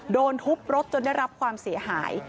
โดนทุบรถจนได้รับความเสียหาย